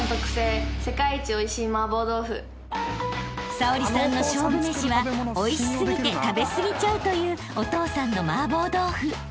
［早織さんの勝負めしはおいし過ぎて食べ過ぎちゃうというお父さんの麻婆豆腐］